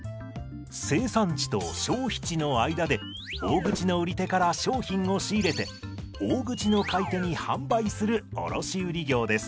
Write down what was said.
生産地と消費地の間で大口の売り手から商品を仕入れて大口の買い手に販売する卸売業です。